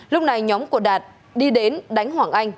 lúc này nhóm của đạt đi đến đánh hoàng anh